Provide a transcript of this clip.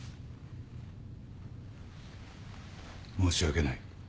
申し訳ない。